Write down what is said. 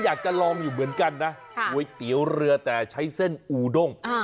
อยากจะลองอยู่เหมือนกันนะก๋วยเตี๋ยวเรือแต่ใช้เส้นอูด้ง